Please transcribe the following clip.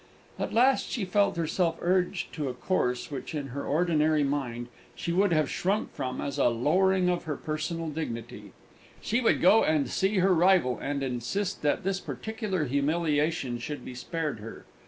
And at last she felt herself urged to a course which, in her ordinary mind, she would have shrunk from as a lowering of her personal dignity: she would go and see her rival, and insist that this particular humiliation should be spared her.